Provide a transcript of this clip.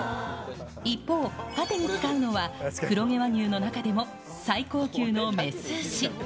一方、パテに使うのは黒毛和牛の中でも最高級の雌牛。